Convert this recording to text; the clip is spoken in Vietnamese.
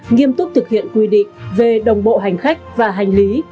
nghiêm túc thực hiện quy định về đồng bộ hành khách và hành lý